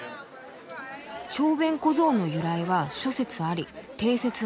「小便小僧の由来は諸説あり定説はない」。